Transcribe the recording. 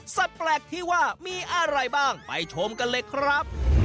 แปลกที่ว่ามีอะไรบ้างไปชมกันเลยครับ